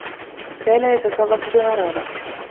كان يتصرّف بغرابة.